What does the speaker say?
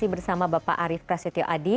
bersama bapak arief prasetyo adi